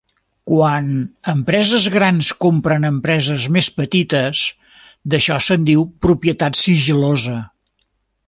Quan empreses grans compren empreses més petites, d'això se'n diu propietat sigil·losa.